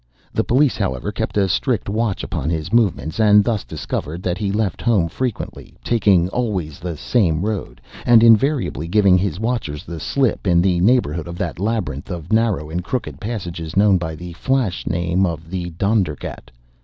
The police, however, kept a strict watch upon his movements, and thus discovered that he left home frequently, taking always the same road, and invariably giving his watchers the slip in the neighborhood of that labyrinth of narrow and crooked passages known by the flash name of the 'Dondergat.